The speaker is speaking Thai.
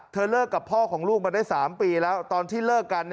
เลิกกับพ่อของลูกมาได้๓ปีแล้วตอนที่เลิกกัน